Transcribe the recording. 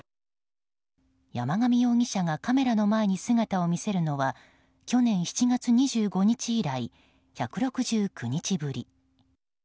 山上容疑者がカメラの前に姿を見せるのは去年７月２５日以来１６９日ぶり。